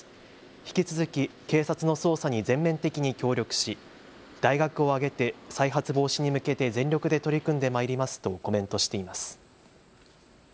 引き続き警察の捜査に全面的に協力し大学を挙げて再発防止に向けて全力で取り組んでまいりますとコメントしています。